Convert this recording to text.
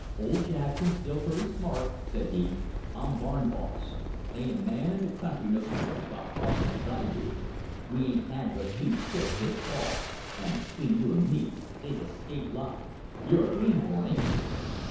"Old Jackson's still purty smart," said he. "I'm barn boss. They ain't a man in th' country knows as much about hosses as I do. We ain't had but two sick this fall, an' between you an' me, they's a skate lot. You're a greenhorn, ain't you?"